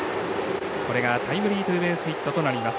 これがタイムリーツーベースヒットとなります。